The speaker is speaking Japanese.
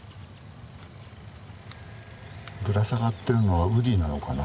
ぶら下がってるのはウリなのかな。